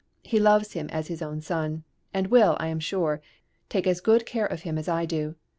He loves him as his own son, and will, I am sure, take as good care of him as I do.